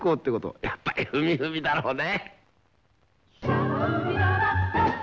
やっぱり「ふみふみ」だろうね。